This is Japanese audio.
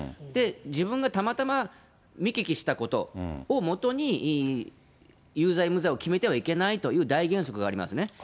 自分がたまたま見聞きしたことをもとに、有罪、無罪を決めてはいけないという大原則がありますね。